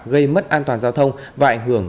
gây mất an toàn giao thông và ảnh hưởng